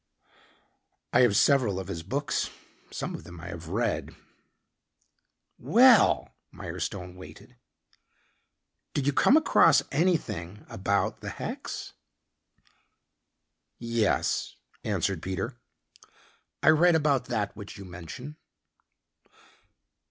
"I have several of his books. Some of them I have read." "Well," Mirestone waited. "Did you come across anything about the hex?" "Yes," answered Peter. "I read about that which you mention."